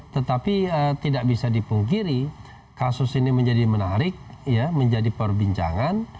tetapi tidak bisa dipungkiri kasus ini menjadi menarik menjadi perbincangan